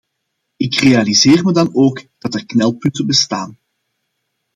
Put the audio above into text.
Ik realiseer me dan ook dat er knelpunten bestaan.